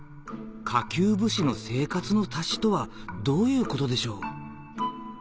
下級武士の生活の足しとはどういうことでしょう？